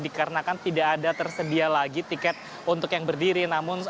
dikarenakan tidak ada tersedia lagi tiket untuk yang berdiri